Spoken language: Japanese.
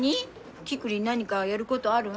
キクリン何かやることあるん？